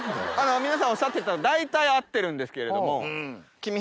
皆さんおっしゃってたの大体合ってるんですけれども。